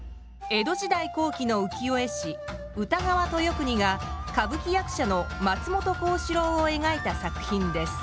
江戸時代後期の浮世絵師歌川豊国が歌舞伎役者の松本幸四郎を描いた作品です。